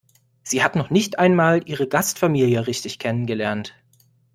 Sie hat noch nicht einmal ihre Gastfamilie richtig kennengelernt.